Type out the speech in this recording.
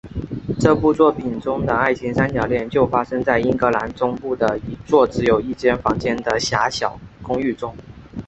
这部作品中的爱情三角恋就发生在英格兰中部的一座只有一间房子的狭小公寓中。